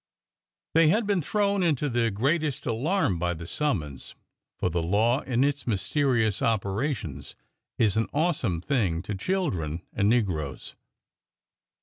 They had been thrown into the greatest alarm by the summons, for the law in its mysterious operations is an awesome thing to children and negroes.